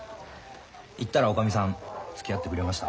言ったらおかみさんつきあってくれました？